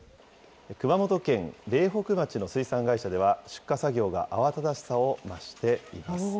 熊本県苓北町の水産会社では、出荷作業が慌ただしさを増しています。